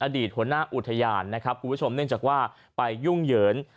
อดีตหัวหน้าอุทยานนะครับคุณผู้ชมเนื่องจากว่าไปยุ่งเหยิง